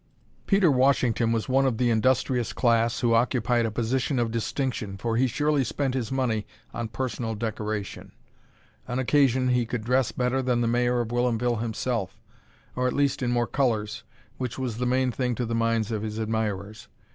Peter Washington was one of the industrious class who occupied a position of distinction, for he surely spent his money on personal decoration. On occasion he could dress better than the Mayor of Whilomville himself, or at least in more colors, which was the main thing to the minds of his admirers.